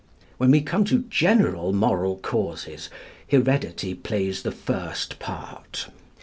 When we come to "General Moral Causes," heredity plays the first part.